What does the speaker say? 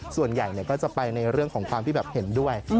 ส่วนใหญ่ก็จะไปในเรื่องของความที่แบบเห็นด้วย